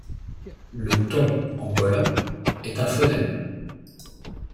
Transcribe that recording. Le ton, en golin, est un phonème.